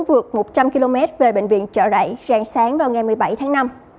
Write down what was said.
vượt một trăm linh km về bệnh viện trợ rãi ràng sáng vào ngày một mươi bảy tháng năm